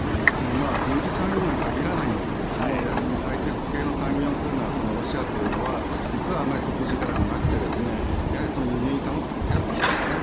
軍需産業に限らないんですがハイテク系の産業というのはロシアというのは実はあまり底力がなくて輸入に頼ってきたんですね。